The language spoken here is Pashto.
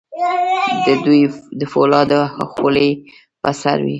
د دوی د فولادو خولۍ په سر وې.